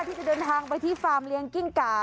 ที่จะเดินทางไปที่ฟาร์มเลี้ยงกิ้งกา